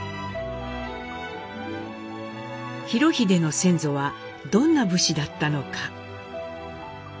裕英の先祖はどんな武士だったのか？